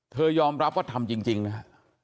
เธอยอมรับว่าทำจริงนะครับ